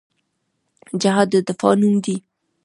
جهاد د دفاع نوم دی